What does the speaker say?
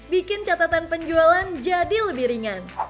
bikin catatan penjualan jadi lebih ringan